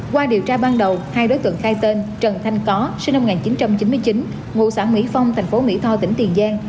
qua điều tra ban đầu hai đối tượng khai tên trần thanh có sinh năm một nghìn chín trăm chín mươi chín ngụ xã mỹ phong thành phố mỹ tho tỉnh tiền giang